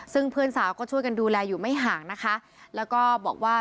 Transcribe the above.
ซึ่งเพื่อนสาวก็ช่วยกันดูแลอยู่ไม่ห่างนะคะแล้วก็บอกว่า